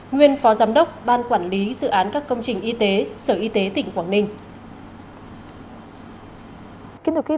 nguyên phó giám đốc ban quản lý dự án các công trình y tế sở y tế tỉnh quảng ninh